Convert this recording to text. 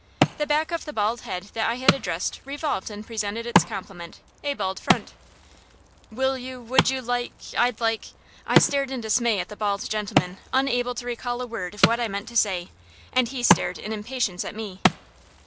The back of the bald head that I had addressed revolved and presented its complement, a bald front. "Will you would you like I'd like " I stared in dismay at the bald gentleman, unable to recall a word of what I meant to say; and he stared in impatience at me.